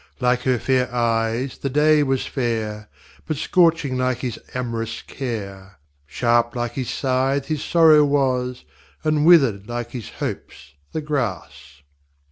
Like her fair Eyes the day was fair; But scorching like his am'rous Care. Sharp like his Sythe his Sorrow was, And wither'd like his Hopes the Grass.